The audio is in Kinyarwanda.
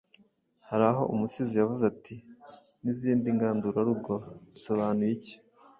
Hari aho umusizi yavuze ati: “N’izindi ngandurarugo.” Bisobanuye iki?